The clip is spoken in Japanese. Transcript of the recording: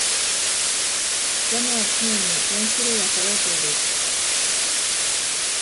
ジャムは常に四種類はそろえている